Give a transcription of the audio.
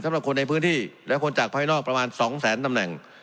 สำหรับคนในพื้นที่และคนจากภายนอกประมาณ๒แสนตำแหน่ง